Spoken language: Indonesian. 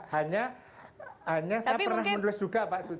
hanya hanya saya pernah menulis juga pak sudirman